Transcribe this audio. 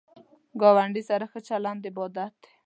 ګاونډی سره ښه چلند عبادت دی